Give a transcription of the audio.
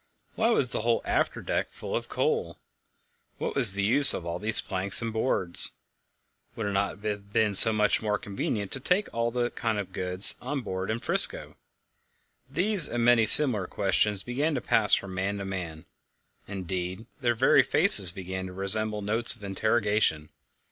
Why was the whole after deck full of coal? What was the use of all these planks and boards? Would it not have been much more convenient to take all that kind of goods on board in 'Frisco? These and many similar questions began to pass from man to man; indeed, their very faces began to resemble notes of interrogation.